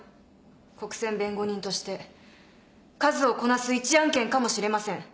国選弁護人として数をこなす一案件かもしれません。